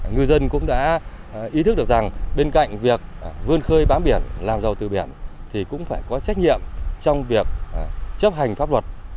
ngư dân cũng đã ý thức được rằng bên cạnh việc vươn khơi bám biển làm giàu từ biển thì cũng phải có trách nhiệm trong việc chấp hành pháp luật